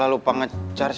aku gak ada